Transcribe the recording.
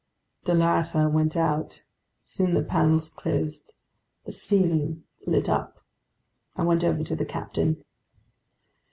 The latter went out. Soon the panels closed. The ceiling lit up. I went over to the captain.